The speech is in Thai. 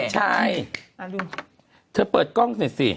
ไหน